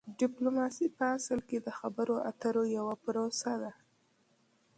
ډیپلوماسي په اصل کې د خبرو اترو یوه پروسه ده